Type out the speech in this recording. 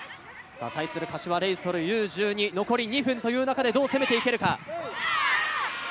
対する柏レイソルＵー１２、残り２分という中でどう攻めていけるか。